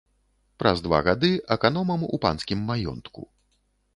Праз два гады аканомам у панскім маёнтку.